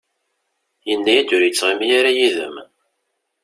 Yenna-iyi-d ur yettɣimi ara yid-m.